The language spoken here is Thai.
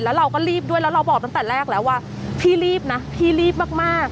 แล้วเราก็รีบด้วยแล้วเราบอกตั้งแต่แรกแล้วว่าพี่รีบนะพี่รีบมาก